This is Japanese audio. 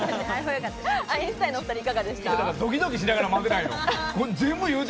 アインシュタインのお２人、いかがですか？